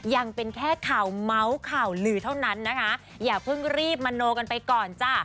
ยังเป็นแค่ข่าวเมาส์ข่าวลือเท่านั้นนะคะอย่าเพิ่งรีบมโนกันไปก่อนจ้ะ